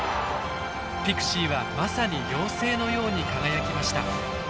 ピクシーはまさに妖精のように輝きました。